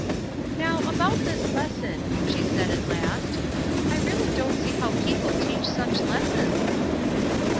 "Now about this lesson," she said, at last. "I really don't see how people teach such lessons."